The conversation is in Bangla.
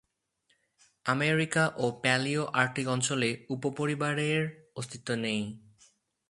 আমেরিকা ও প্যালিও-আর্কটিক অঞ্চলে উপপরিবারের অস্তিত্ব নেই।